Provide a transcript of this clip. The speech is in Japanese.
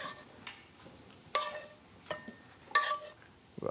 うわ